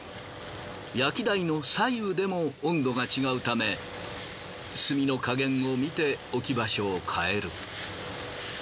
焼き台の左右でも温度が違うため炭の加減を見て置き場所を変える。